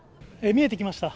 見えてきました。